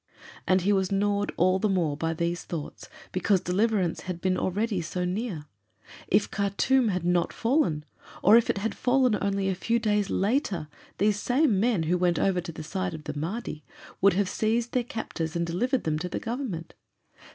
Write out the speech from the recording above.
And he was gnawed all the more by these thoughts because deliverance had been already so near. If Khartûm had not fallen, or if it had fallen only a few days later, these same men, who went over to the side of the Mahdi, would have seized their captors and delivered them to the Government.